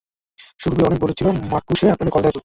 সুরভি অনেক বলেছিল মাক্কু সে আপনাকে কল দেয় তো?